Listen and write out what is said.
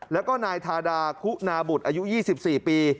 แล้วก็นายทาดาคุณาบุตรอายุ๒๔ปี